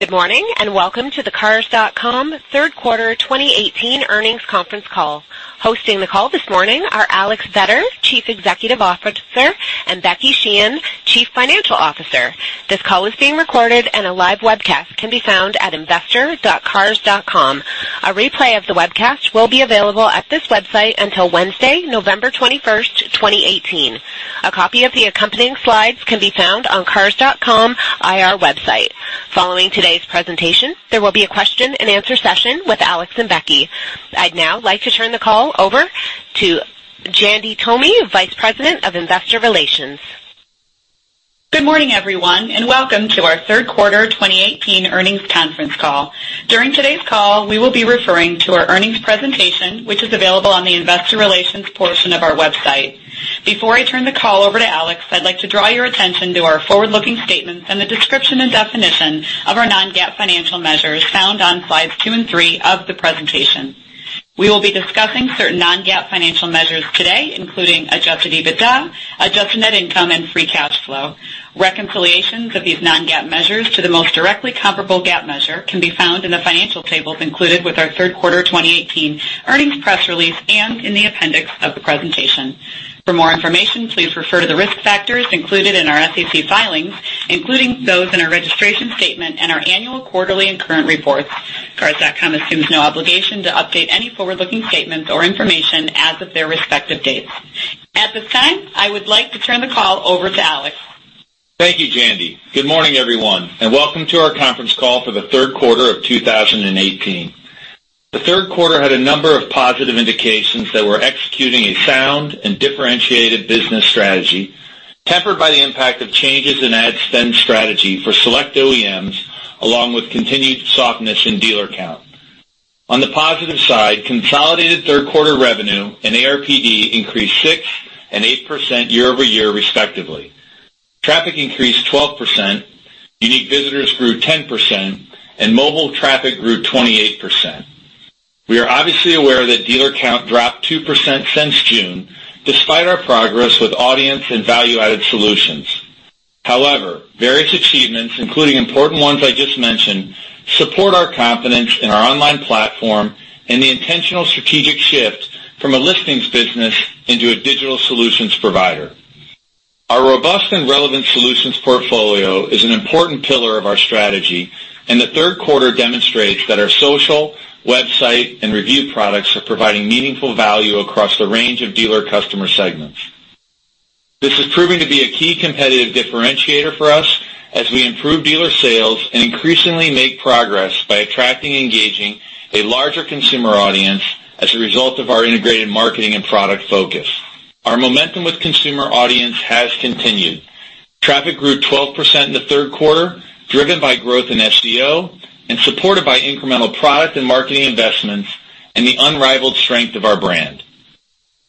Good morning, and welcome to the Cars.com third quarter 2018 earnings conference call. Hosting the call this morning are Alex Vetter, Chief Executive Officer, and Becky Sheehan, Chief Financial Officer. This call is being recorded and a live webcast can be found at investor.cars.com. A replay of the webcast will be available at this website until Wednesday, November 21st, 2018. A copy of the accompanying slides can be found on cars.com IR website. Following today's presentation, there will be a question and answer session with Alex and Becky. I'd now like to turn the call over to Jandy Tomy, Vice President of Investor Relations. Good morning, everyone, and welcome to our third quarter 2018 earnings conference call. During today's call, we will be referring to our earnings presentation, which is available on the investor relations portion of our website. Before I turn the call over to Alex, I'd like to draw your attention to our forward-looking statements and the description and definition of our non-GAAP financial measures found on slides two and three of the presentation. We will be discussing certain non-GAAP financial measures today, including adjusted EBITDA, adjusted net income and free cash flow. Reconciliations of these non-GAAP measures to the most directly comparable GAAP measure can be found in the financial tables included with our third quarter 2018 earnings press release and in the appendix of the presentation. For more information, please refer to the risk factors included in our SEC filings, including those in our registration statement and our annual quarterly and current reports. Cars.com assumes no obligation to update any forward-looking statements or information as of their respective dates. At this time, I would like to turn the call over to Alex. Thank you, Jandy. Good morning, everyone, and welcome to our conference call for the third quarter of 2018. The third quarter had a number of positive indications that we're executing a sound and differentiated business strategy, tempered by the impact of changes in ad spend strategy for select OEMs, along with continued softness in dealer count. On the positive side, consolidated third quarter revenue and ARPD increased 6% and 8% year-over-year, respectively. Traffic increased 12%, unique visitors grew 10%, and mobile traffic grew 28%. We are obviously aware that dealer count dropped 2% since June, despite our progress with audience and value-added solutions. However, various achievements, including important ones I just mentioned, support our confidence in our online platform and the intentional strategic shift from a listings business into a digital solutions provider. Our robust and relevant solutions portfolio is an important pillar of our strategy, and the third quarter demonstrates that our social, website, and review products are providing meaningful value across a range of dealer customer segments. This is proving to be a key competitive differentiator for us as we improve dealer sales and increasingly make progress by attracting and engaging a larger consumer audience as a result of our integrated marketing and product focus. Our momentum with consumer audience has continued. Traffic grew 12% in the third quarter, driven by growth in SEO and supported by incremental product and marketing investments and the unrivaled strength of our brand.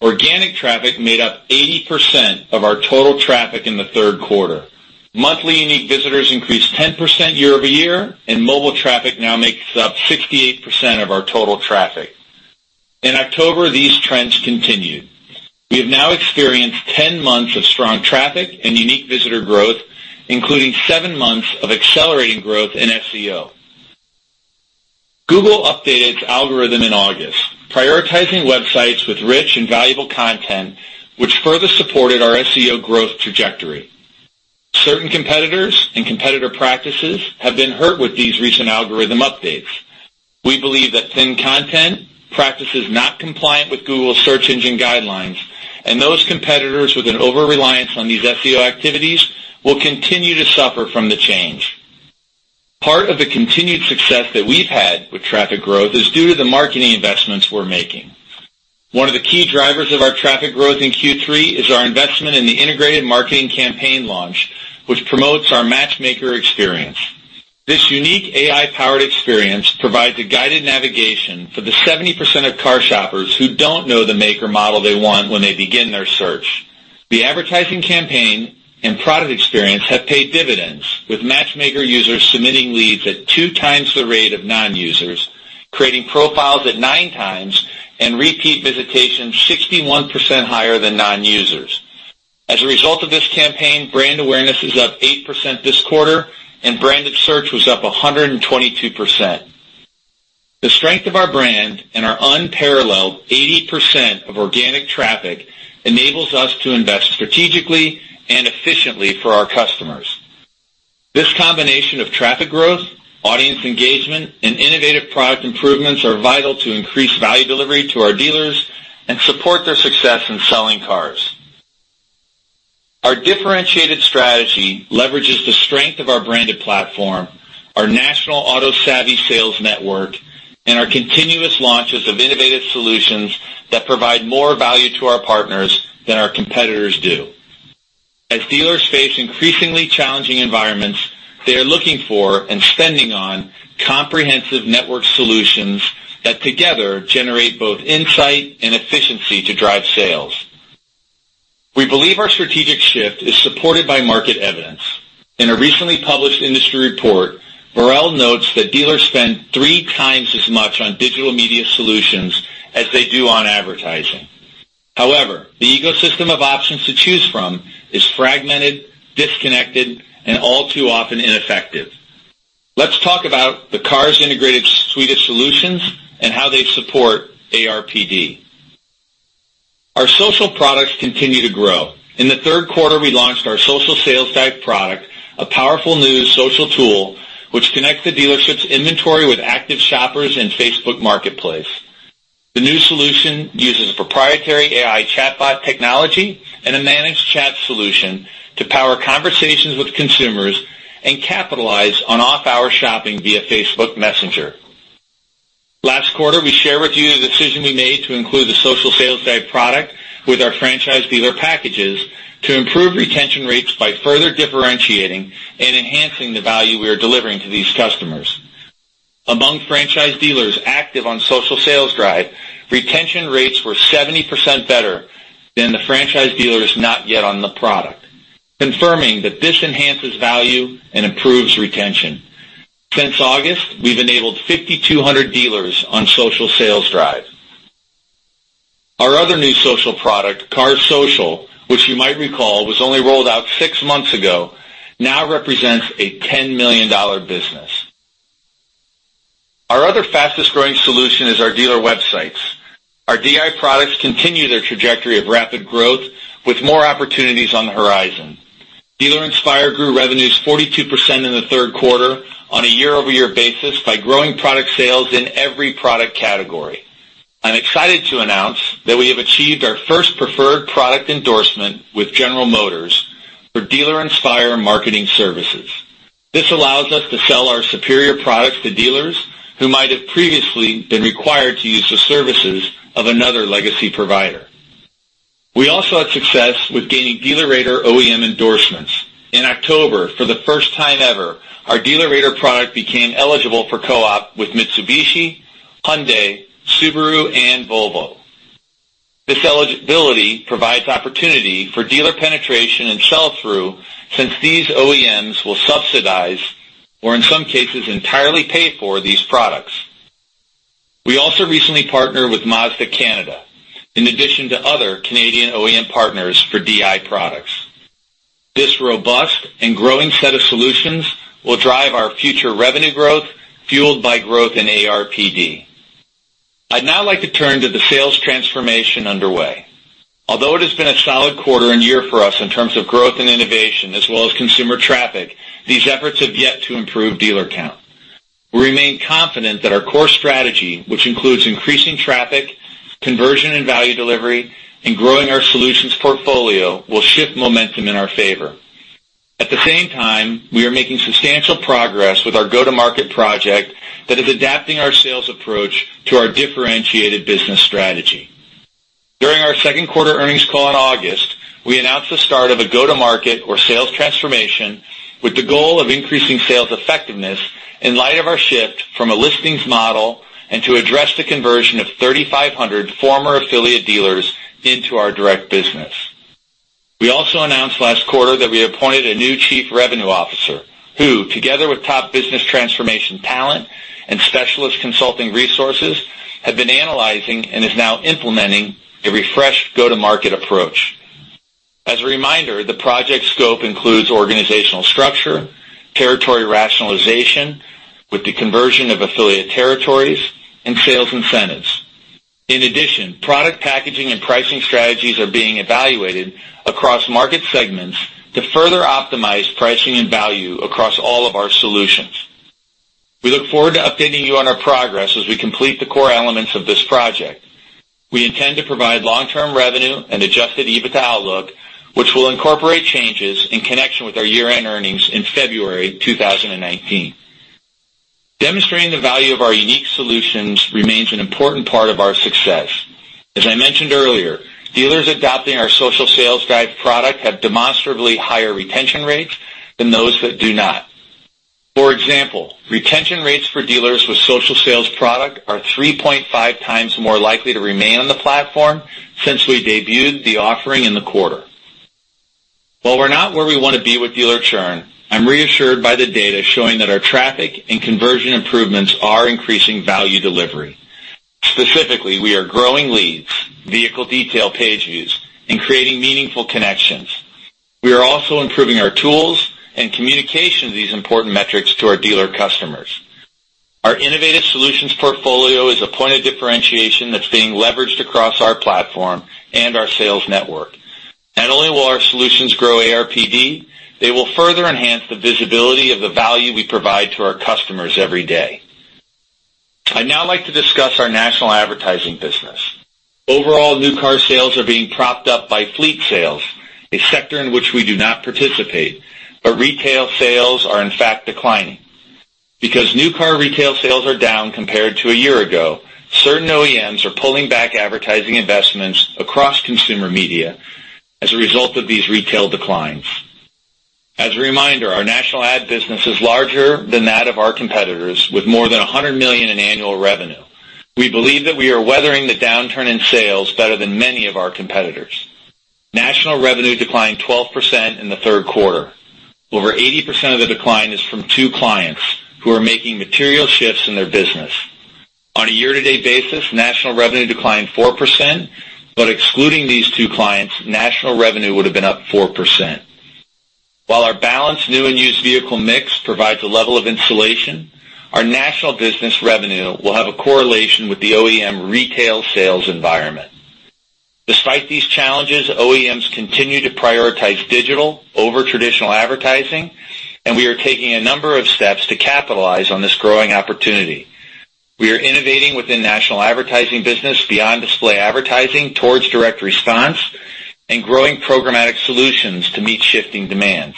Organic traffic made up 80% of our total traffic in the third quarter. Monthly unique visitors increased 10% year-over-year, and mobile traffic now makes up 68% of our total traffic. In October, these trends continued. We have now experienced 10 months of strong traffic and unique visitor growth, including seven months of accelerating growth in SEO. Google updated its algorithm in August, prioritizing websites with rich and valuable content, which further supported our SEO growth trajectory. Certain competitors and competitor practices have been hurt with these recent algorithm updates. We believe that thin content, practices not compliant with Google search engine guidelines, and those competitors with an overreliance on these SEO activities will continue to suffer from the change. Part of the continued success that we've had with traffic growth is due to the marketing investments we're making. One of the key drivers of our traffic growth in Q3 is our investment in the integrated marketing campaign launch, which promotes our Match Maker experience. This unique AI-powered experience provides a guided navigation for the 70% of car shoppers who don't know the make or model they want when they begin their search. The advertising campaign and product experience have paid dividends with Match Maker users submitting leads at two times the rate of non-users, creating profiles at nine times, and repeat visitation 61% higher than non-users. As a result of this campaign, brand awareness is up 8% this quarter, and branded search was up 122%. The strength of our brand and our unparalleled 80% of organic traffic enables us to invest strategically and efficiently for our customers. This combination of traffic growth, audience engagement, and innovative product improvements are vital to increase value delivery to our dealers and support their success in selling cars. Our differentiated strategy leverages the strength of our branded platform, our national auto savvy sales network, and our continuous launches of innovative solutions that provide more value to our partners than our competitors do. As dealers face increasingly challenging environments, they are looking for and spending on comprehensive network solutions that together generate both insight and efficiency to drive sales. We believe our strategic shift is supported by market evidence. In a recently published industry report, Borrell notes that dealers spend three times as much on digital media solutions as they do on advertising. The ecosystem of options to choose from is fragmented, disconnected, and all too often ineffective. Let's talk about the Cars integrated suite of solutions and how they support ARPD. Our social products continue to grow. In the third quarter, we launched our Social Sales Drive product, a powerful new social tool which connects the dealership's inventory with active shoppers in Facebook Marketplace. The new solution uses proprietary AI chatbot technology and a managed chat solution to power Conversations with consumers and capitalize on off-hour shopping via Facebook Messenger. Last quarter, we shared with you the decision we made to include the Social Sales Drive product with our franchise dealer packages to improve retention rates by further differentiating and enhancing the value we are delivering to these customers. Among franchise dealers active on Social Sales Drive, retention rates were 70% better than the franchise dealers not yet on the product, confirming that this enhances value and improves retention. Since August, we've enabled 5,200 dealers on Social Sales Drive. Our other new social product, Cars Social, which you might recall was only rolled out six months ago, now represents a $10 million business. Our other fastest-growing solution is our dealer websites. Our DI products continue their trajectory of rapid growth with more opportunities on the horizon. Dealer Inspire grew revenues 42% in the third quarter on a year-over-year basis by growing product sales in every product category. I'm excited to announce that we have achieved our first preferred product endorsement with General Motors for Dealer Inspire marketing services. This allows us to sell our superior products to dealers who might have previously been required to use the services of another legacy provider. We also had success with gaining DealerRater OEM endorsements. In October, for the first time ever, our DealerRater product became eligible for co-op with Mitsubishi, Hyundai, Subaru, and Volvo. This eligibility provides opportunity for dealer penetration and sell-through since these OEMs will subsidize, or in some cases, entirely pay for these products. We also recently partnered with Mazda Canada, in addition to other Canadian OEM partners for DI products. This robust and growing set of solutions will drive our future revenue growth, fueled by growth in ARPD. I'd now like to turn to the sales transformation underway. Although it has been a solid quarter and year for us in terms of growth and innovation, as well as consumer traffic, these efforts have yet to improve dealer count. We remain confident that our core strategy, which includes increasing traffic, conversion, and value delivery, and growing our solutions portfolio, will shift momentum in our favor. At the same time, we are making substantial progress with our go-to-market project that is adapting our sales approach to our differentiated business strategy. During our second quarter earnings call in August, we announced the start of a go-to-market or sales transformation with the goal of increasing sales effectiveness in light of our shift from a listings model and to address the conversion of 3,500 former affiliate dealers into our direct business. We also announced last quarter that we appointed a new Chief Revenue Officer, who, together with top business transformation talent and specialist consulting resources, have been analyzing and is now implementing a refreshed go-to-market approach. As a reminder, the project scope includes organizational structure, territory rationalization with the conversion of affiliate territories, and sales incentives. In addition, product packaging and pricing strategies are being evaluated across market segments to further optimize pricing and value across all of our solutions. We look forward to updating you on our progress as we complete the core elements of this project. We intend to provide long-term revenue and adjusted EBITDA outlook, which will incorporate changes in connection with our year-end earnings in February 2019. Demonstrating the value of our unique solutions remains an important part of our success. As I mentioned earlier, dealers adopting our Social Sales Drive product have demonstrably higher retention rates than those that do not. For example, retention rates for dealers with social sales product are 3.5 times more likely to remain on the platform since we debuted the offering in the quarter. While we're not where we want to be with dealer churn, I'm reassured by the data showing that our traffic and conversion improvements are increasing value delivery. Specifically, we are growing leads, vehicle detail page views, and creating meaningful connections. We are also improving our tools and communication of these important metrics to our dealer customers. Our innovative solutions portfolio is a point of differentiation that's being leveraged across our platform and our sales network. Not only will our solutions grow ARPD, they will further enhance the visibility of the value we provide to our customers every day. I'd now like to discuss our national advertising business. Overall, new car sales are being propped up by fleet sales, a sector in which we do not participate, but retail sales are in fact declining. Because new car retail sales are down compared to a year ago, certain OEMs are pulling back advertising investments across consumer media as a result of these retail declines. As a reminder, our national ad business is larger than that of our competitors, with more than $100 million in annual revenue. We believe that we are weathering the downturn in sales better than many of our competitors. National revenue declined 12% in the third quarter. Over 80% of the decline is from two clients who are making material shifts in their business. On a year-to-date basis, national revenue declined 4%, but excluding these two clients, national revenue would've been up 4%. While our balanced new and used vehicle mix provides a level of insulation, our national business revenue will have a correlation with the OEM retail sales environment. Despite these challenges, OEMs continue to prioritize digital over traditional advertising, and we are taking a number of steps to capitalize on this growing opportunity. We are innovating within national advertising business beyond display advertising towards direct response and growing programmatic solutions to meet shifting demands.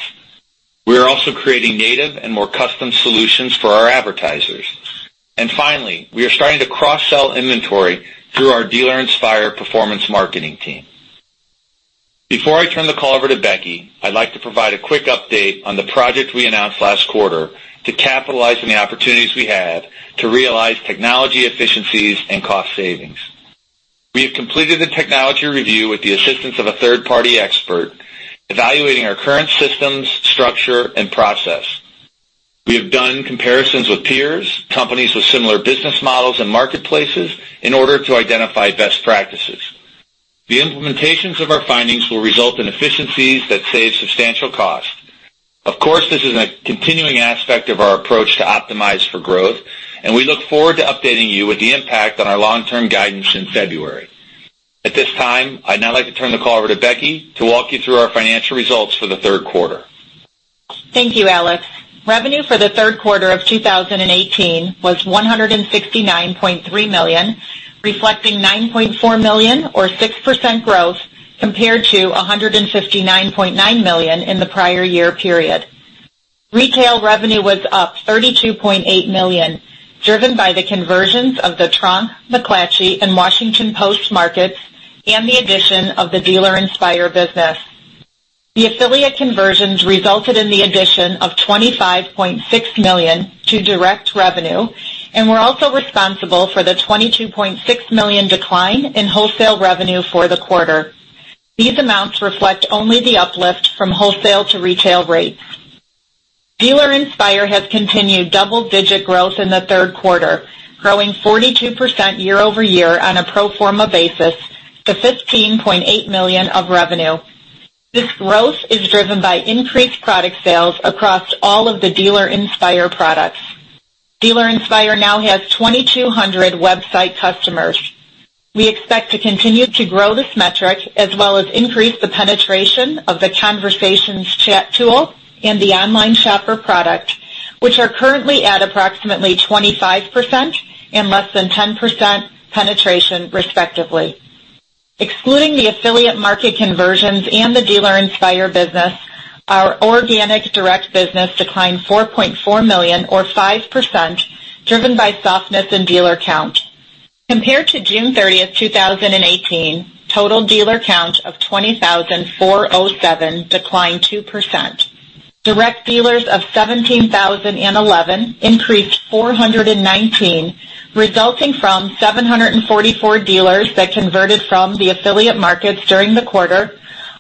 We are also creating native and more custom solutions for our advertisers. Finally, we are starting to cross-sell inventory through our Dealer Inspire performance marketing team. Before I turn the call over to Becky, I'd like to provide a quick update on the project we announced last quarter to capitalize on the opportunities we have to realize technology efficiencies and cost savings. We have completed the technology review with the assistance of a third-party expert, evaluating our current systems, structure, and process. We have done comparisons with peers, companies with similar business models and marketplaces in order to identify best practices. The implementations of our findings will result in efficiencies that save substantial cost. Of course, this is a continuing aspect of our approach to optimize for growth, and we look forward to updating you with the impact on our long-term guidance in February. At this time, I'd now like to turn the call over to Becky to walk you through our financial results for the third quarter. Thank you, Alex. Revenue for the third quarter of 2018 was $169.3 million, reflecting $9.4 million or 6% growth compared to $159.9 million in the prior year period. Retail revenue was up $32.8 million, driven by the conversions of the Tronc, McClatchy, and The Washington Post markets and the addition of the Dealer Inspire business. The affiliate conversions resulted in the addition of $25.6 million to direct revenue and were also responsible for the $22.6 million decline in wholesale revenue for the quarter. These amounts reflect only the uplift from wholesale to retail rates. Dealer Inspire has continued double-digit growth in the third quarter, growing 42% year-over-year on a pro forma basis to $15.8 million of revenue. This growth is driven by increased product sales across all of the Dealer Inspire products. Dealer Inspire now has 2,200 website customers. We expect to continue to grow this metric, as well as increase the penetration of the Conversations chat tool and the Online Shopper product, which are currently at approximately 25% and less than 10% penetration respectively. Excluding the affiliate market conversions and the Dealer Inspire business, our organic direct business declined $4.4 million or 5%, driven by softness in dealer count. Compared to June 30th, 2018, total dealer count of 20,407 declined 2%. Direct dealers of 17,011 increased 419, resulting from 744 dealers that converted from the affiliate markets during the quarter,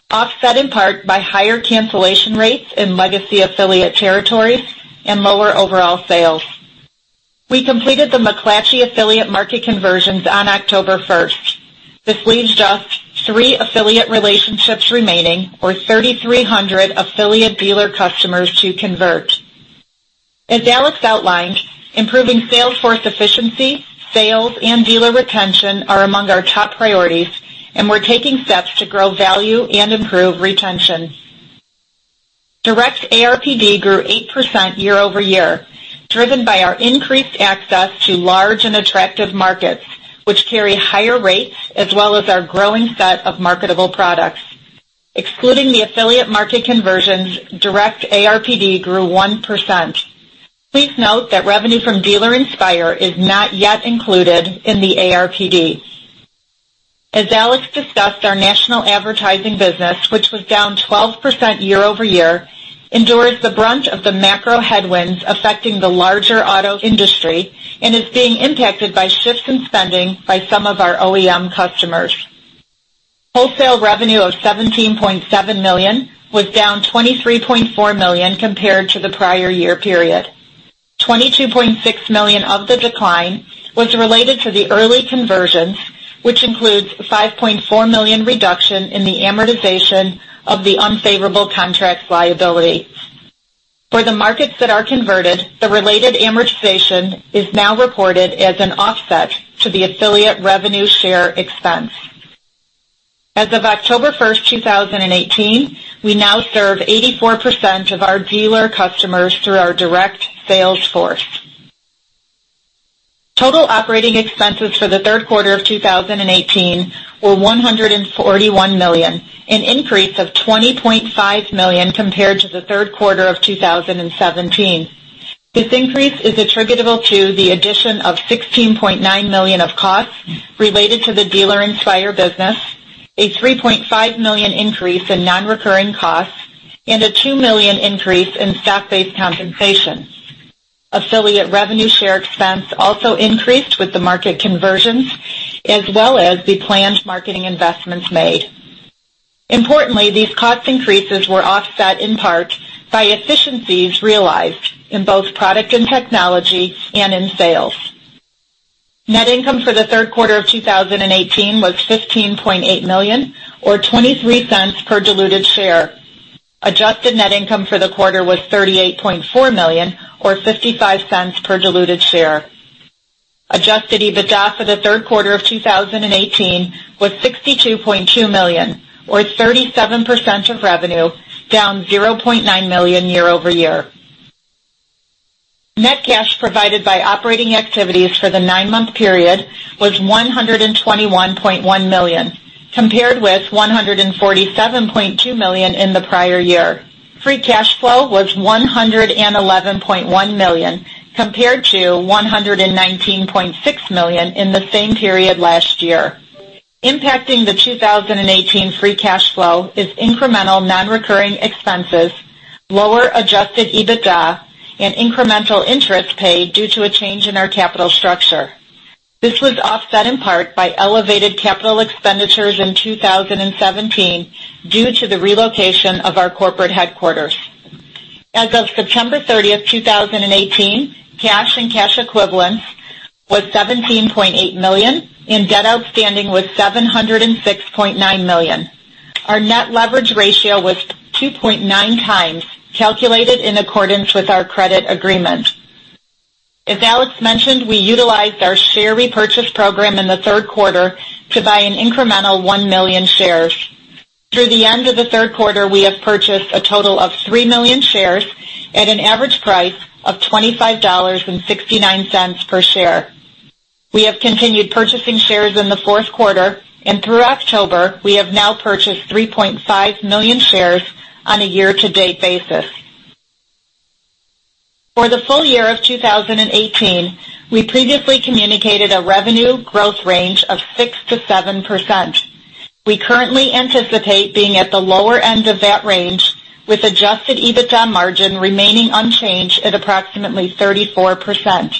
offset in part by higher cancellation rates in legacy affiliate territories and lower overall sales. We completed the McClatchy affiliate market conversions on October 1st. This leaves just three affiliate relationships remaining, or 3,300 affiliate dealer customers to convert. As Alex outlined, improving sales force efficiency, sales, and dealer retention are among our top priorities, and we're taking steps to grow value and improve retention. Direct ARPD grew 8% year-over-year, driven by our increased access to large and attractive markets, which carry higher rates as well as our growing set of marketable products. Excluding the affiliate market conversions, direct ARPD grew 1%. Please note that revenue from Dealer Inspire is not yet included in the ARPD. As Alex discussed, our national advertising business, which was down 12% year-over-year, endures the brunt of the macro headwinds affecting the larger auto industry and is being impacted by shifts in spending by some of our OEM customers. Wholesale revenue of $17.7 million was down $23.4 million compared to the prior year period. $22.6 million of the decline was related to the early conversions, which includes a $5.4 million reduction in the amortization of the unfavorable contract liability. For the markets that are converted, the related amortization is now reported as an offset to the affiliate revenue share expense. As of October 1st, 2018, we now serve 84% of our dealer customers through our direct sales force. Total operating expenses for the third quarter of 2018 were $141 million, an increase of $20.5 million compared to the third quarter of 2017. This increase is attributable to the addition of $16.9 million of costs related to the Dealer Inspire business, a $3.5 million increase in non-recurring costs, and a $2 million increase in stock-based compensation. Affiliate revenue share expense also increased with the market conversions as well as the planned marketing investments made. Importantly, these cost increases were offset in part by efficiencies realized in both product and technology and in sales. Net income for the third quarter of 2018 was $15.8 million, or $0.23 per diluted share. Adjusted net income for the quarter was $38.4 million or $0.55 per diluted share. Adjusted EBITDA for the third quarter of 2018 was $62.2 million or 37% of revenue, down $0.9 million year-over-year. Net cash provided by operating activities for the nine-month period was $121.1 million, compared with $147.2 million in the prior year. Free cash flow was $111.1 million, compared to $119.6 million in the same period last year. Impacting the 2018 free cash flow is incremental non-recurring expenses, lower adjusted EBITDA, and incremental interest paid due to a change in our capital structure. This was offset in part by elevated capital expenditures in 2017 due to the relocation of our corporate headquarters. As of September 30th, 2018, cash and cash equivalents was $17.8 million and debt outstanding was $706.9 million. Our net leverage ratio was 2.9x calculated in accordance with our credit agreement. As Alex mentioned, we utilized our share repurchase program in the third quarter to buy an incremental 1 million shares. Through the end of the third quarter, we have purchased a total of 3 million shares at an average price of $25.69 per share. We have continued purchasing shares in the fourth quarter and through October, we have now purchased 3.5 million shares on a year-to-date basis. For the full year of 2018, we previously communicated a revenue growth range of 6%-7%. We currently anticipate being at the lower end of that range with adjusted EBITDA margin remaining unchanged at approximately 34%.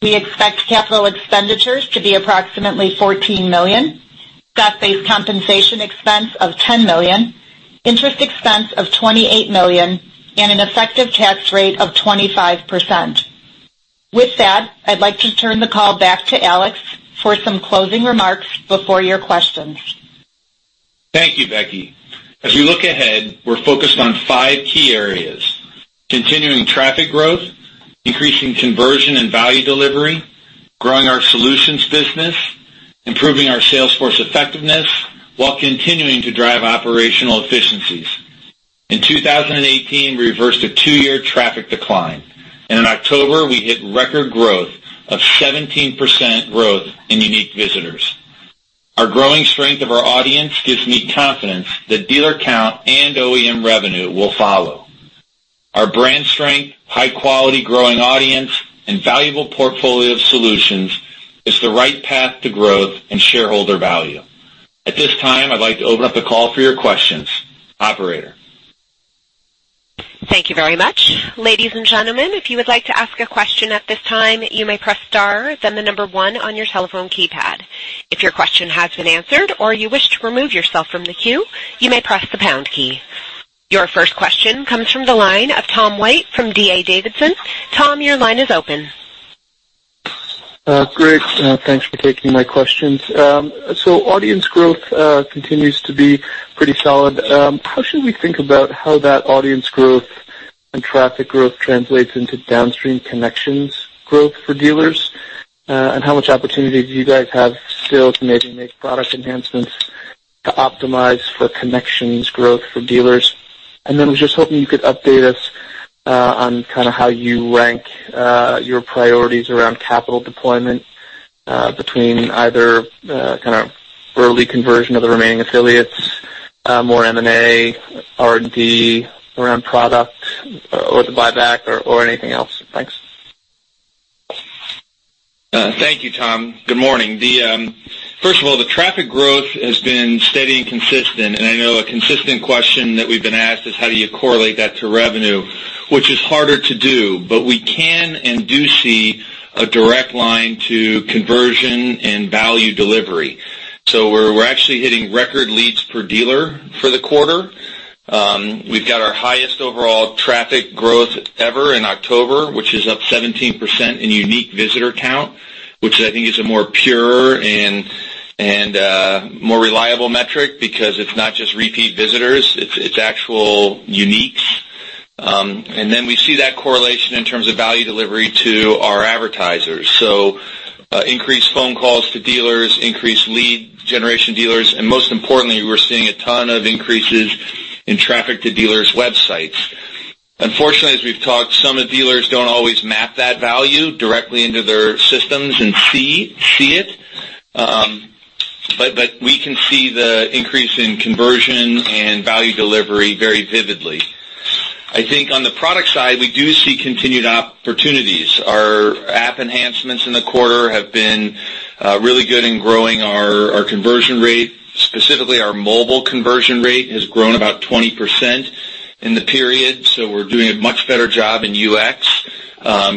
We expect capital expenditures to be approximately $14 million, stock-based compensation expense of $10 million, interest expense of $28 million, and an effective tax rate of 25%. With that, I'd like to turn the call back to Alex for some closing remarks before your questions. Thank you, Becky. As we look ahead, we're focused on five key areas, continuing traffic growth, increasing conversion and value delivery, growing our solutions business, improving our sales force effectiveness while continuing to drive operational efficiencies. In 2018, we reversed a two-year traffic decline, and in October, we hit record growth of 17% growth in unique visitors. Our growing strength of our audience gives me confidence that dealer count and OEM revenue will follow. Our brand strength, high quality growing audience, and valuable portfolio of solutions is the right path to growth and shareholder value. At this time, I'd like to open up the call for your questions. Operator. Thank you very much. Ladies and gentlemen, if you would like to ask a question at this time, you may press star then the number one on your telephone keypad. If your question has been answered or you wish to remove yourself from the queue, you may press the pound key. Your first question comes from the line of Tom White from D.A. Davidson. Tom, your line is open. Great. Thanks for taking my questions. Audience growth continues to be pretty solid. How should we think about how that audience growth and traffic growth translates into downstream connections growth for dealers? How much opportunity do you guys have still to maybe make product enhancements to optimize for connections growth for dealers? I was just hoping you could update us on kind of how you rank your priorities around capital deployment between either kind of early conversion of the remaining affiliates, more M&A, R&D around product or the buyback or anything else. Thanks. Thank you, Tom. Good morning. First of all, the traffic growth has been steady and consistent, I know a consistent question that we've been asked is how do you correlate that to revenue, which is harder to do, we can and do see a direct line to conversion and value delivery. We're actually hitting record leads per dealer for the quarter. We've got our highest overall traffic growth ever in October, which is up 17% in unique visitor count, which I think is a more pure and more reliable metric because it's not just repeat visitors, it's actual uniques. We see that correlation in terms of value delivery to our advertisers. Increased phone calls to dealers, increased lead generation dealers, most importantly, we're seeing a ton of increases in traffic to dealers' websites. Unfortunately, as we've talked, some of the dealers don't always map that value directly into their systems and see it. We can see the increase in conversion and value delivery very vividly. On the product side, we do see continued opportunities. Our app enhancements in the quarter have been really good in growing our conversion rate. Specifically, our mobile conversion rate has grown about 20% in the period, so we're doing a much better job in UX,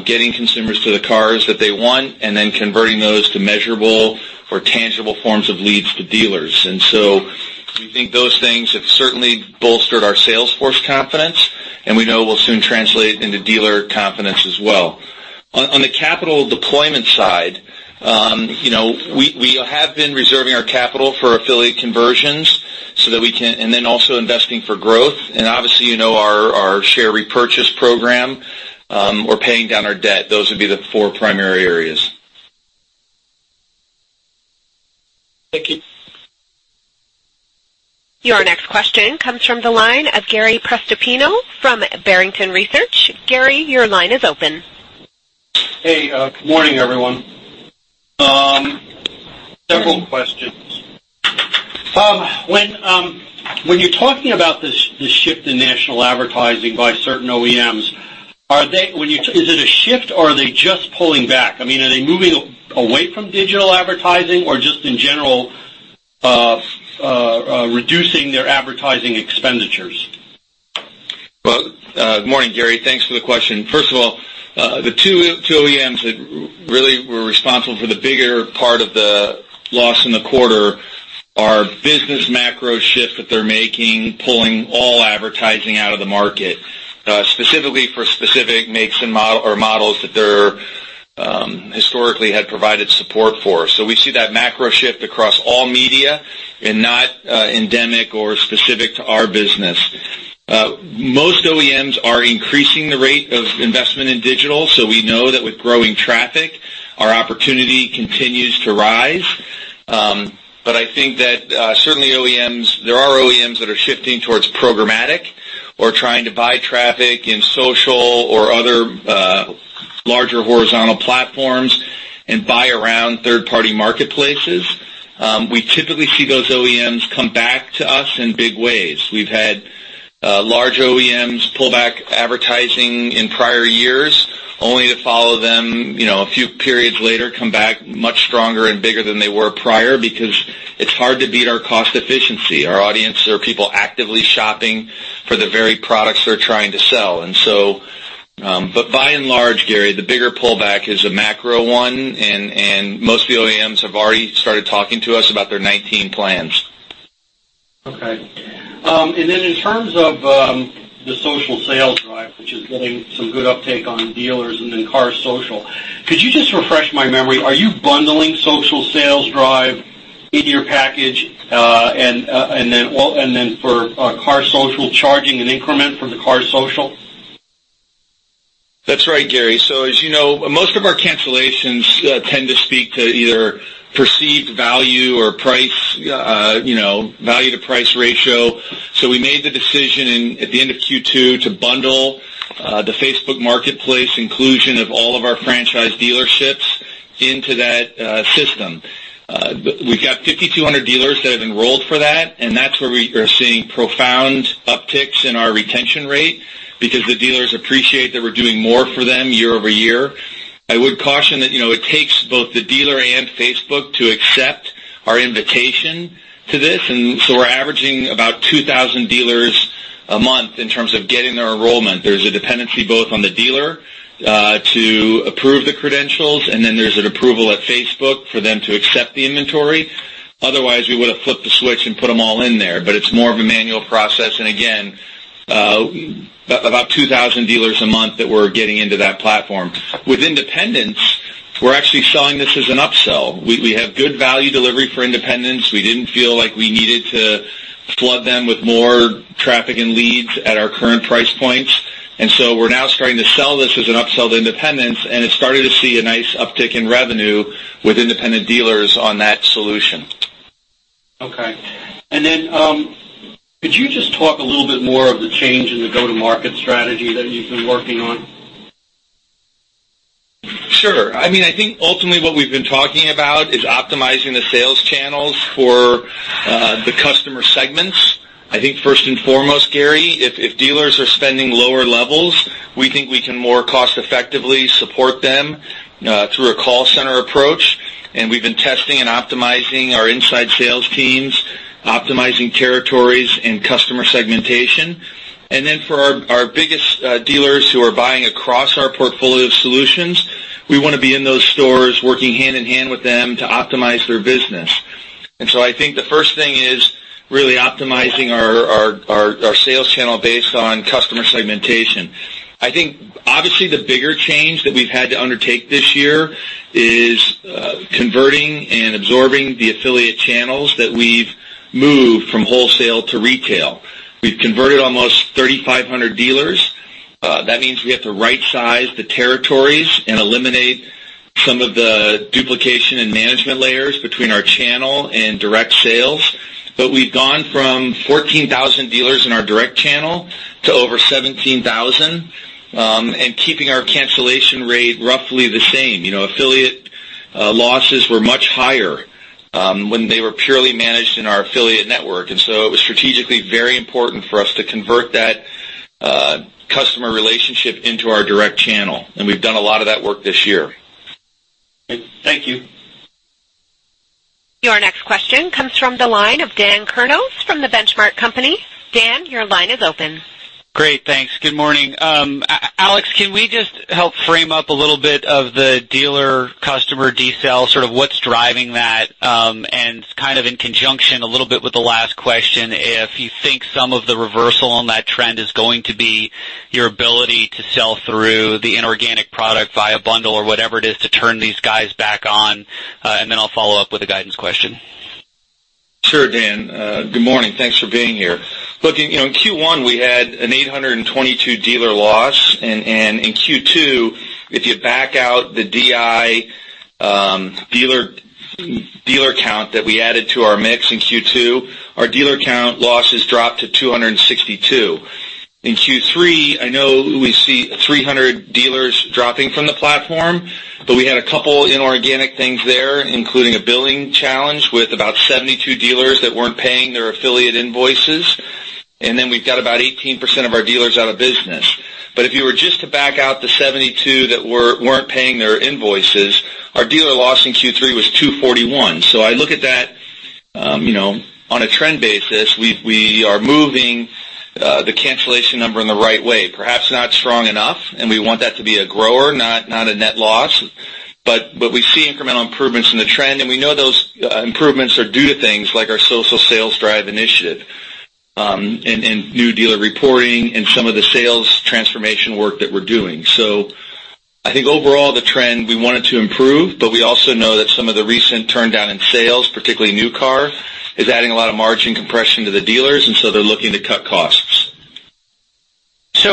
getting consumers to the cars that they want and then converting those to measurable or tangible forms of leads to dealers. We think those things have certainly bolstered our sales force confidence, and we know will soon translate into dealer confidence as well. On the capital deployment side, we have been reserving our capital for affiliate conversions, then also investing for growth. Obviously, you know our share repurchase program or paying down our debt. Those would be the four primary areas. Thank you. Your next question comes from the line of Gary Prestopino from Barrington Research. Gary, your line is open. Hey, good morning, everyone. Several questions. When you're talking about this shift in national advertising by certain OEMs, is it a shift or are they just pulling back? I mean, are they moving away from digital advertising or just in general reducing their advertising expenditures? Well, good morning, Gary. Thanks for the question. First of all, the two OEMs that really were responsible for the bigger part of the loss in the quarter are business macro shift that they're making, pulling all advertising out of the market, specifically for specific makes or models that they historically had provided support for. We see that macro shift across all media and not endemic or specific to our business. Most OEMs are increasing the rate of investment in digital. We know that with growing traffic, our opportunity continues to rise. I think that certainly there are OEMs that are shifting towards programmatic or trying to buy traffic in social or other larger horizontal platforms and buy around third-party marketplaces. We typically see those OEMs come back to us in big ways. We've had large OEMs pull back advertising in prior years, only to follow them a few periods later, come back much stronger and bigger than they were prior because it's hard to beat our cost efficiency. Our audience are people actively shopping for the very products they're trying to sell. By and large, Gary, the bigger pullback is a macro one, and most OEMs have already started talking to us about their 2019 plans. Okay. In terms of the Social Sales Drive, which is getting some good uptake on dealers and then Cars Social, could you just refresh my memory? Are you bundling Social Sales Drive into your package, and then for Cars Social, charging an increment for the Cars Social? That's right, Gary. As you know, most of our cancellations tend to speak to either perceived value or price, value to price ratio. We made the decision at the end of Q2 to bundle the Facebook Marketplace inclusion of all of our franchise dealerships into that system. We've got 5,200 dealers that have enrolled for that, and that's where we are seeing profound upticks in our retention rate because the dealers appreciate that we're doing more for them year-over-year. I would caution that it takes both the dealer and Facebook to accept our invitation to this. We're averaging about 2,000 dealers a month in terms of getting their enrollment. There's a dependency both on the dealer to approve the credentials. There's an approval at Facebook for them to accept the inventory. Otherwise, we would have flipped the switch and put them all in there. It's more of a manual process. Again, about 2,000 dealers a month that we're getting into that platform. With independents, we're actually selling this as an upsell. We have good value delivery for independents. We didn't feel like we needed to flood them with more traffic and leads at our current price points. We're now starting to sell this as an upsell to independents, and it's starting to see a nice uptick in revenue with independent dealers on that solution. Okay. Could you just talk a little bit more of the change in the go-to-market strategy that you've been working on? Sure. I think ultimately what we've been talking about is optimizing the sales channels for the customer segments. I think first and foremost, Gary, if dealers are spending lower levels, we think we can more cost effectively support them through a call center approach. We've been testing and optimizing our inside sales teams, optimizing territories and customer segmentation. For our biggest dealers who are buying across our portfolio of solutions, we want to be in those stores working hand in hand with them to optimize their business. I think the first thing is really optimizing our sales channel based on customer segmentation. I think obviously the bigger change that we've had to undertake this year is converting and absorbing the affiliate channels that we've moved from wholesale to retail. We've converted almost 3,500 dealers. That means we have to right-size the territories and eliminate some of the duplication and management layers between our channel and direct sales. We've gone from 14,000 dealers in our direct channel to over 17,000, keeping our cancellation rate roughly the same. Affiliate losses were much higher when they were purely managed in our affiliate network, it was strategically very important for us to convert that customer relationship into our direct channel, we've done a lot of that work this year. Thank you. Your next question comes from the line of Dan Kurnos from The Benchmark Company. Dan, your line is open. Great. Thanks. Good morning. Alex, can we just help frame up a little bit of the dealer customer desale, what's driving that? Kind of in conjunction a little bit with the last question, if you think some of the reversal on that trend is going to be your ability to sell through the inorganic product via bundle or whatever it is to turn these guys back on, then I'll follow up with a guidance question. Sure, Dan. Good morning. Thanks for being here. Look, in Q1, we had an 822 dealer loss. In Q2, if you back out the DI dealer count that we added to our mix in Q2, our dealer count losses dropped to 262. In Q3, I know we see 300 dealers dropping from the platform, we had a couple inorganic things there, including a billing challenge with about 72 dealers that weren't paying their affiliate invoices. We've got about 18% of our dealers out of business. If you were just to back out the 72 that weren't paying their invoices, our dealer loss in Q3 was 241. I look at that on a trend basis. We are moving the cancellation number in the right way. Perhaps not strong enough, and we want that to be a grower, not a net loss. We see incremental improvements in the trend, and we know those improvements are due to things like our Social Sales Drive initiative, and new dealer reporting, and some of the sales transformation work that we're doing. I think overall, the trend we want it to improve, but we also know that some of the recent turndown in sales, particularly new car, is adding a lot of margin compression to the dealers, and so they're looking to cut costs.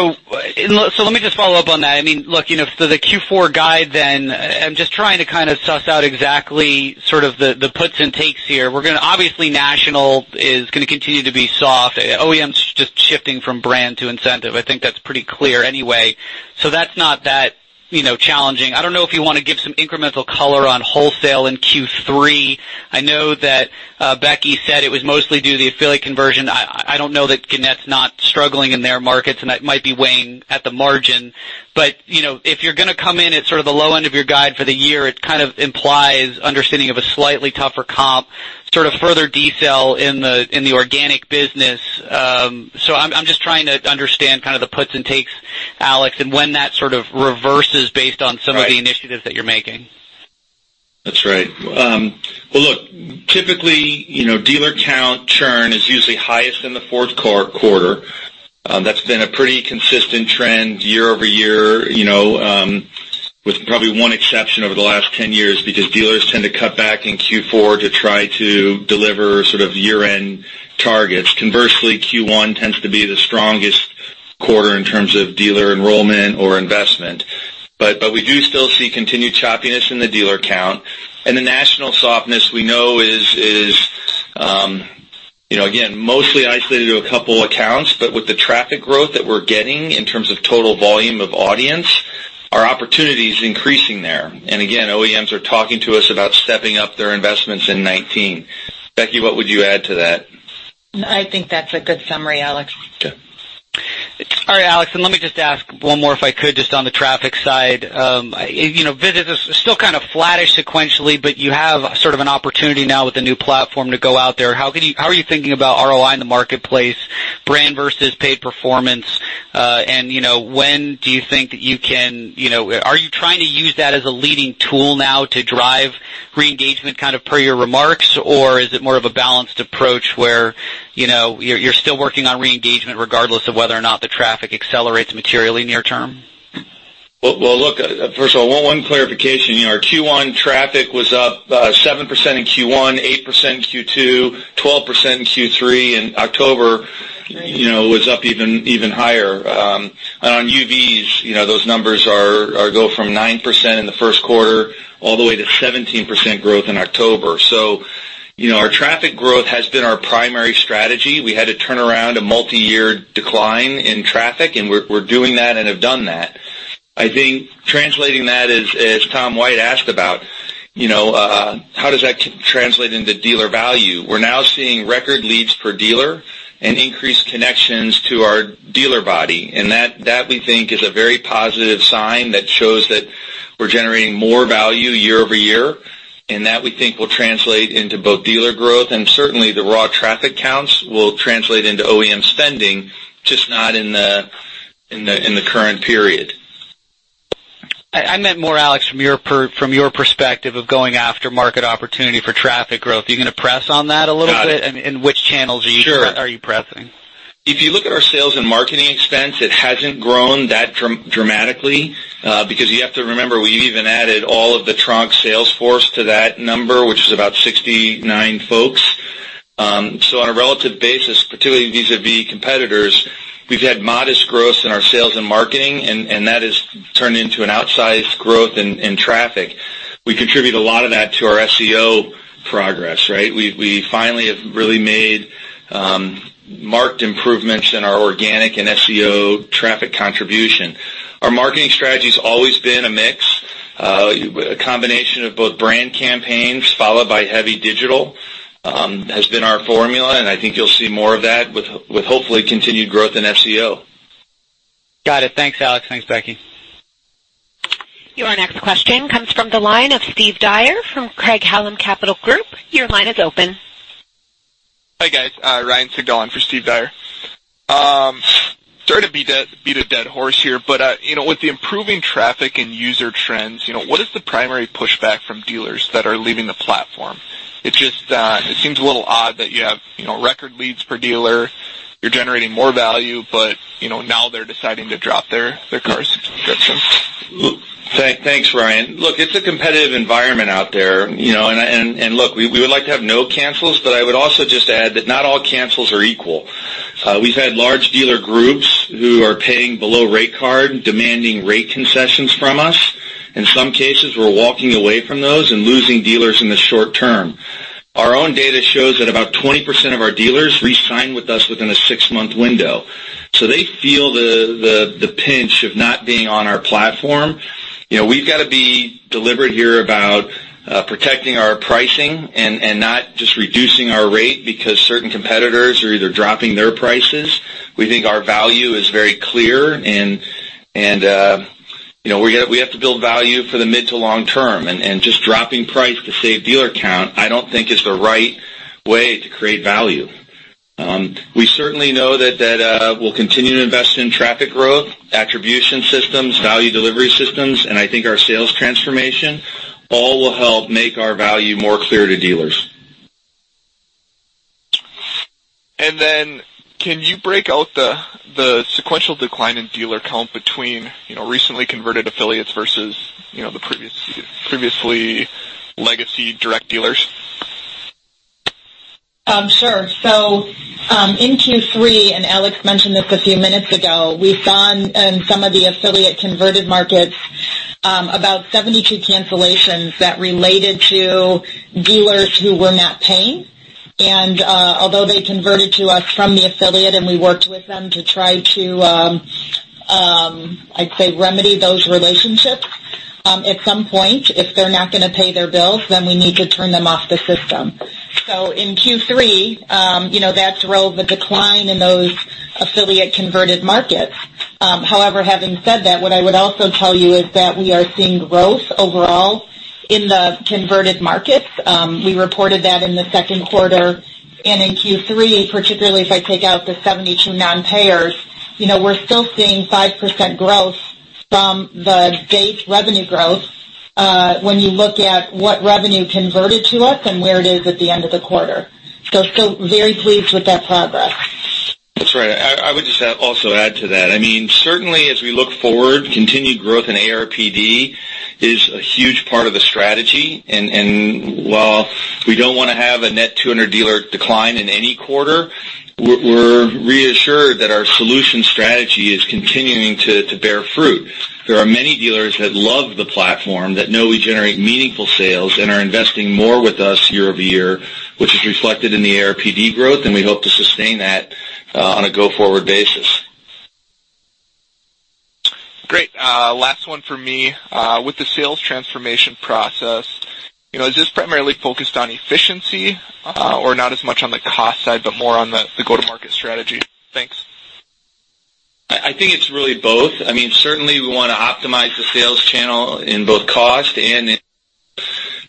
Let me just follow up on that. For the Q4 guide, then, I'm just trying to suss out exactly the puts and takes here. Obviously, national is going to continue to be soft. OEMs just shifting from brand to incentive. I think that's pretty clear anyway. That's not that challenging. I don't know if you want to give some incremental color on wholesale in Q3. I know that Becky said it was mostly due to the affiliate conversion. I don't know that Gannett's not struggling in their markets, and that might be weighing at the margin. If you're going to come in at sort of the low end of your guide for the year, it kind of implies understanding of a slightly tougher comp, sort of further desale in the organic business. I'm just trying to understand the puts and takes, Alex, and when that sort of reverses based on some of the initiatives that you're making. That's right. Well, look, typically, dealer count churn is usually highest in the fourth quarter. That's been a pretty consistent trend year-over-year with probably one exception over the last 10 years because dealers tend to cut back in Q4 to try to deliver year-end targets. Conversely, Q1 tends to be the strongest quarter in terms of dealer enrollment or investment. We do still see continued choppiness in the dealer count. The national softness we know is, again, mostly isolated to a couple accounts. With the traffic growth that we're getting in terms of total volume of audience, our opportunity is increasing there. Again, OEMs are talking to us about stepping up their investments in 2019. Becky, what would you add to that? I think that's a good summary, Alex. Okay. All right, Alex. Let me just ask one more, if I could, just on the traffic side. Visits are still kind of flattish sequentially, you have sort of an opportunity now with the new platform to go out there. How are you thinking about ROI in the marketplace, brand versus paid performance? Are you trying to use that as a leading tool now to drive re-engagement per your remarks, or is it more of a balanced approach where you're still working on re-engagement regardless of whether or not the traffic accelerates materially near term? Well, look, first of all, one clarification. Our Q1 traffic was up 7% in Q1, 8% in Q2, 12% in Q3, and October was up even higher. On UVs, those numbers go from 9% in the first quarter all the way to 17% growth in October. Our traffic growth has been our primary strategy. We had to turn around a multi-year decline in traffic, and we're doing that and have done that. I think translating that is, as Tom White asked about, how does that translate into dealer value? We're now seeing record leads per dealer and increased connections to our dealer body, and that we think is a very positive sign that shows that we're generating more value year-over-year, and that we think will translate into both dealer growth and certainly the raw traffic counts will translate into OEM spending, just not in the current period. I meant more, Alex, from your perspective of going after market opportunity for traffic growth. Are you going to press on that a little bit? Got it. Which channels are you pressing? Sure. If you look at our sales and marketing expense, it hasn't grown that dramatically, because you have to remember, we even added all of the DealerRater sales force to that number, which is about 69 folks. On a relative basis, particularly vis-à-vis competitors, we've had modest growth in our sales and marketing, and that has turned into an outsized growth in traffic. We contribute a lot of that to our SEO progress, right? We finally have really made marked improvements in our organic and SEO traffic contribution. Our marketing strategy has always been a mix, a combination of both brand campaigns followed by heavy digital has been our formula, and I think you'll see more of that with hopefully continued growth in SEO. Got it. Thanks, Alex. Thanks, Becky. Your next question comes from the line of Steve Dyer from Craig-Hallum Capital Group. Your line is open. Hi, guys. Ryan Sigdahl on for Steve Dyer. Sorry to beat a dead horse here, with the improving traffic and user trends, what is the primary pushback from dealers that are leaving the platform? It seems a little odd that you have record leads per dealer, you're generating more value, but now they're deciding to drop their Cars subscription. Thanks, Ryan. Look, it's a competitive environment out there. Look, we would like to have no cancels, I would also just add that not all cancels are equal. We've had large dealer groups who are paying below rate card demanding rate concessions from us. In some cases, we're walking away from those and losing dealers in the short term. Our own data shows that about 20% of our dealers re-sign with us within a six-month window. They feel the pinch of not being on our platform. We've got to be deliberate here about protecting our pricing and not just reducing our rate because certain competitors are either dropping their prices. We think our value is very clear, and we have to build value for the mid to long term. Just dropping price to save dealer count, I don't think is the right way to create value. We certainly know that we'll continue to invest in traffic growth, attribution systems, value delivery systems, and I think our sales transformation all will help make our value more clear to dealers. Then can you break out the sequential decline in dealer count between recently converted affiliates versus the previously legacy direct dealers? Sure. In Q3, and Alex mentioned this a few minutes ago, we saw in some of the affiliate converted markets about 72 cancellations that related to dealers who were not paying. Although they converted to us from the affiliate and we worked with them to try to, I'd say, remedy those relationships, at some point, if they're not going to pay their bills, we need to turn them off the system. In Q3, that drove the decline in those affiliate converted markets. However, having said that, what I would also tell you is that we are seeing growth overall in the converted markets. We reported that in the second quarter and in Q3, particularly if I take out the 72 non-payers, we're still seeing 5% growth from the base revenue growth when you look at what revenue converted to us and where it is at the end of the quarter. Still very pleased with that progress. That's right. I would just also add to that. Certainly, as we look forward, continued growth in ARPD is a huge part of the strategy, and while we don't want to have a net 200 dealer decline in any quarter, we're reassured that our solution strategy is continuing to bear fruit. There are many dealers that love the platform that know we generate meaningful sales and are investing more with us year-over-year, which is reflected in the ARPD growth, and we hope to sustain that on a go-forward basis. Great. Last one for me. With the sales transformation process, is this primarily focused on efficiency or not as much on the cost side, but more on the go-to-market strategy? Thanks. I think it's really both. Certainly, we want to optimize the sales channel in both cost.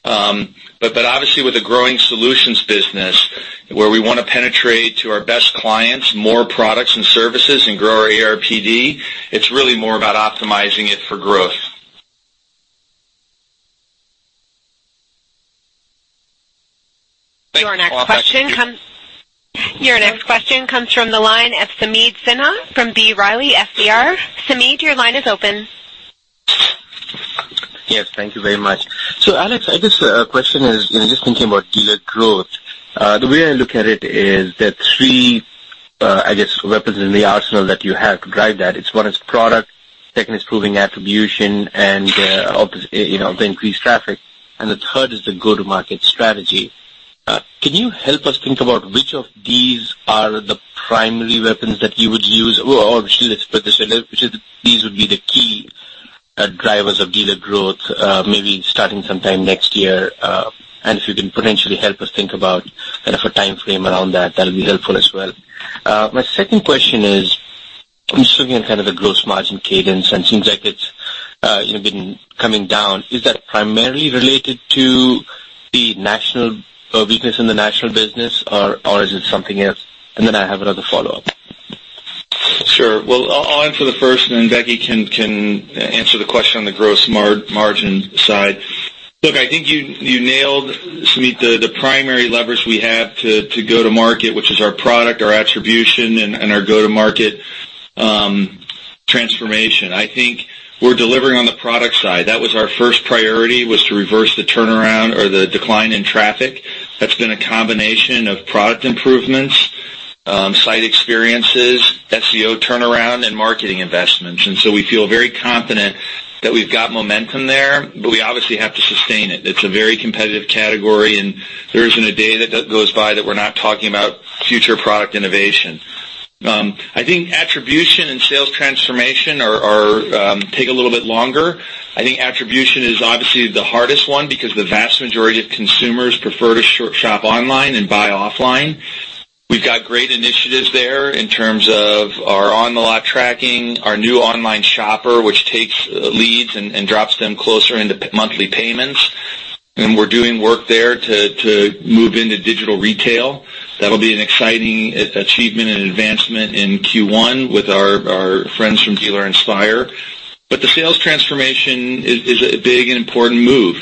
Obviously, with the growing solutions business where we want to penetrate to our best clients more products and services and grow our ARPD, it's really more about optimizing it for growth. Thanks a lot. Your next question comes from the line of Sameet Sinha from B. Riley FBR. Sameet, your line is open. Yes. Thank you very much. Alex, I guess a question is, just thinking about dealer growth, the way I look at it is there are three, I guess, weapons in the arsenal that you have to drive that. One is product, second is proving attribution and the increased traffic, and the third is the go-to-market strategy. Can you help us think about which of these are the primary weapons that you would use, or should I put this, which of these would be the key drivers of dealer growth, maybe starting sometime next year? If you can potentially help us think about a timeframe around that'll be helpful as well. My second question is, I'm just looking at the gross margin cadence, and it seems like it's been coming down. Is that primarily related to the weakness in the national business, or is it something else? I have another follow-up. Sure. I'll answer the first, and then Becky can answer the question on the gross margin side. Look, I think you nailed, Sameet, the primary leverage we have to go to market, which is our product, our attribution, and our go-to-market transformation. I think we're delivering on the product side. That was our first priority, was to reverse the turnaround or the decline in traffic. That's been a combination of product improvements, site experiences, SEO turnaround, and marketing investments. We feel very confident that we've got momentum there, but we obviously have to sustain it. It's a very competitive category, and there isn't a day that goes by that we're not talking about future product innovation. I think attribution and sales transformation take a little bit longer. I think attribution is obviously the hardest one because the vast majority of consumers prefer to shop online than buy offline. We've got great initiatives there in terms of our on-the-lot tracking, our new Online Shopper, which takes leads and drops them closer into monthly payments. We're doing work there to move into digital retail. That'll be an exciting achievement and advancement in Q1 with our friends from Dealer Inspire. The sales transformation is a big and important move.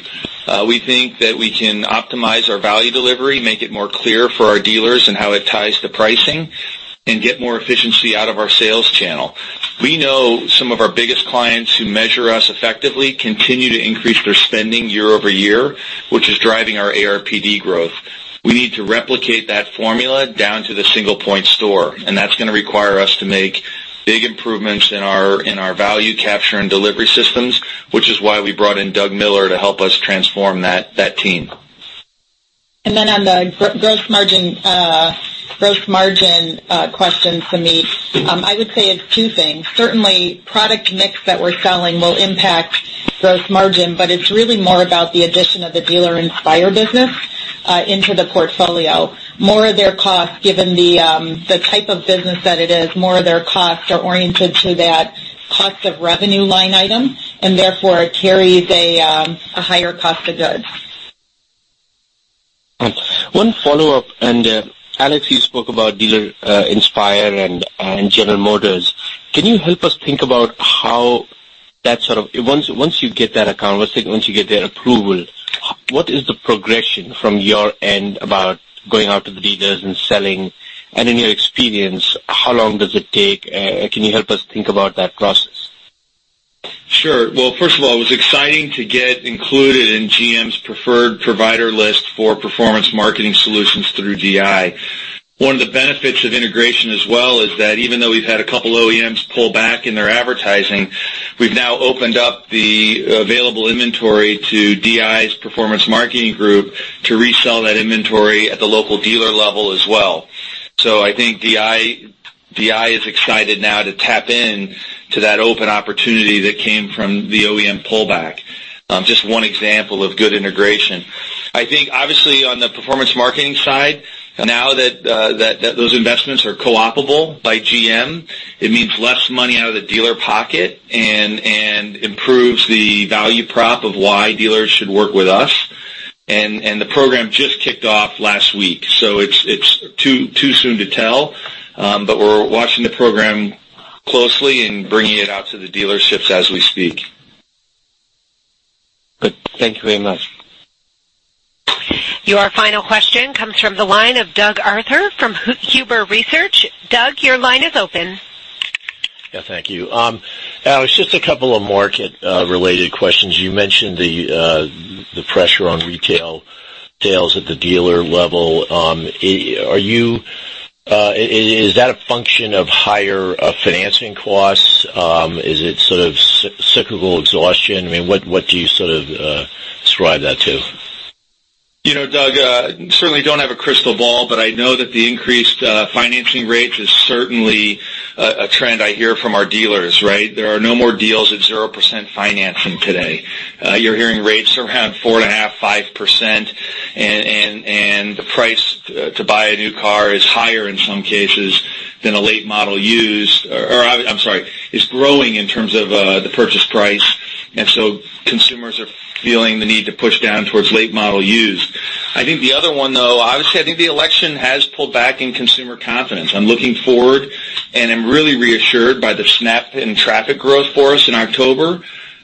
We think that we can optimize our value delivery, make it more clear for our dealers and how it ties to pricing, and get more efficiency out of our sales channel. We know some of our biggest clients who measure us effectively continue to increase their spending year-over-year, which is driving our ARPD growth. We need to replicate that formula down to the single point store, and that's going to require us to make big improvements in our value capture and delivery systems, which is why we brought in Doug Miller to help us transform that team. On the gross margin question, Sameet, I would say it's two things. Certainly, product mix that we're selling will impact gross margin, but it's really more about the addition of the Dealer Inspire business into the portfolio. More of their costs, given the type of business that it is, more of their costs are oriented to that cost of revenue line item, and therefore, it carries a higher cost of goods. One follow-up, Alex, you spoke about Dealer Inspire and General Motors. Can you help us think about how that Once you get that account, let's say once you get their approval, what is the progression from your end about going out to the dealers and selling? In your experience, how long does it take? Can you help us think about that process? Well, first of all, it was exciting to get included in GM's preferred provider list for performance marketing solutions through DI. One of the benefits of integration as well is that even though we've had a couple OEMs pull back in their advertising, we've now opened up the available inventory to DI's performance marketing group to resell that inventory at the local dealer level as well. I think DI is excited now to tap into that open opportunity that came from the OEM pullback. Just one example of good integration. I think obviously on the performance marketing side, now that those investments are co-opable by GM, it means less money out of the dealer pocket and improves the value prop of why dealers should work with us. The program just kicked off last week, so it's too soon to tell, but we're watching the program closely and bringing it out to the dealerships as we speak. Good. Thank you very much. Your final question comes from the line of Doug Arthur from Huber Research. Doug, your line is open. Yeah, thank you. Alex, just a couple of market-related questions. You mentioned the pressure on retail sales at the dealer level. Is that a function of higher financing costs? Is it sort of cyclical exhaustion? I mean, what do you sort of ascribe that to? Doug, certainly don't have a crystal ball, but I know that the increased financing rates is certainly a trend I hear from our dealers, right? There are no more deals at 0% financing today. You're hearing rates around 4.5%, 5%, and the price to buy a new car is higher in some cases than a late model used or, I'm sorry, is growing in terms of the purchase price. So consumers are feeling the need to push down towards late model used. I think the other one, though, obviously, I think the election has pulled back in consumer confidence. I'm looking forward, I'm really reassured by the snap in traffic growth for us in October.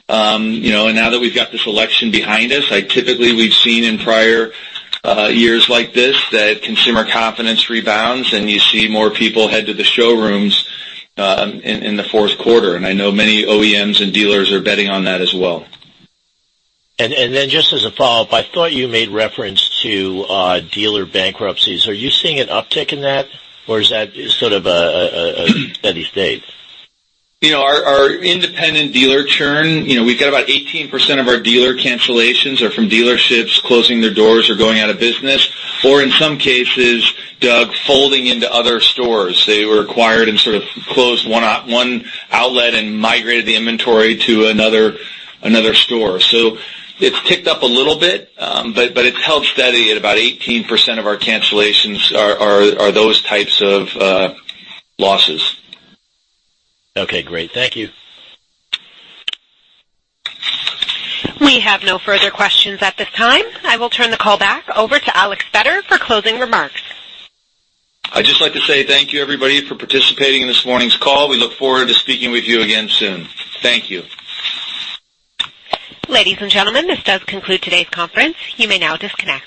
Now that we've got this election behind us, typically, we've seen in prior years like this that consumer confidence rebounds and you see more people head to the showrooms in the fourth quarter. I know many OEMs and dealers are betting on that as well. Just as a follow-up, I thought you made reference to dealer bankruptcies. Are you seeing an uptick in that, or is that sort of a steady state? Our independent dealer churn, we've got about 18% of our dealer cancellations are from dealerships closing their doors or going out of business or in some cases, Doug, folding into other stores. They were acquired and sort of closed one outlet and migrated the inventory to another store. It's ticked up a little bit, but it's held steady at about 18% of our cancellations are those types of losses. Okay, great. Thank you. We have no further questions at this time. I will turn the call back over to Alex Vetter for closing remarks. I'd just like to say thank you, everybody, for participating in this morning's call. We look forward to speaking with you again soon. Thank you. Ladies and gentlemen, this does conclude today's conference. You may now disconnect.